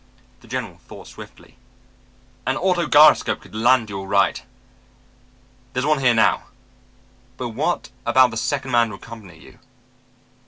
The general thought swiftly. "An auto gyroscope could land you all right. There's one here now. But what about the second man to accompany you?"